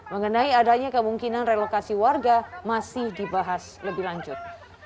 mengenai adanya kemungkinan relokasi warga masih dibahas lebih lanjut